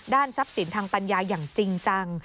ทรัพย์สินทางปัญญาอย่างจริงจัง